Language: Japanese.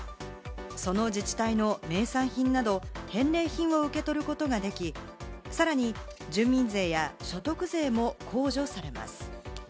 その自治体の名産品など返礼品を受け取ることができ、さらに住民税や所得税も控除されます。